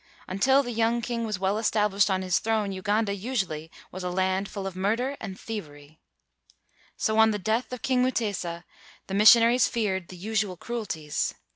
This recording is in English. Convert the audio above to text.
Until the young king was well established on his throne, Uganda usually was a land full of murder and thievery. So on the death of King Mutesa, the mis sionaries feared the usual cruelties.